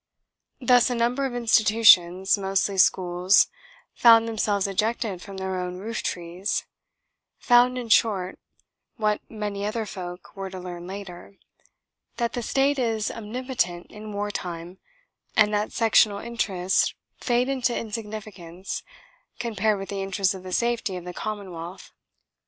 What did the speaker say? Thus a number of institutions mostly schools found themselves ejected from their own roof trees: found, in short, (what many other folk were to learn later) that the State is omnipotent in war time and that sectional interests fade into insignificance compared with the interests of the safety of the commonwealth.